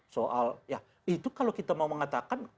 soal ya itu kalau kita mau mengatakan